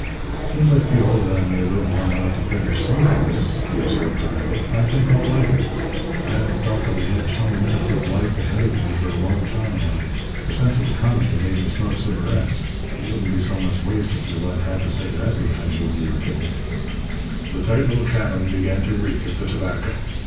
"Since I feel that I may live long enough to finish smoking this," he observed dryly, "I think I'll light it. I haven't felt that I had twenty minutes of life ahead of me for a long time, now. A sense of economy made me smoke cigarettes. It wouldn't be so much waste if you left half a cigarette behind you when you were killed." The tight little cabin began to reek of the tobacco.